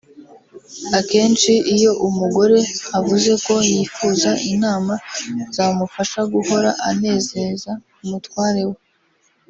Akenshi iyo umugore avuze ko yifuza inama zamufasha guhora anezeza umutware we